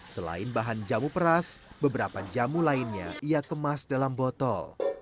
selain bahan jamu peras beberapa jamu lainnya ia kemas dalam botol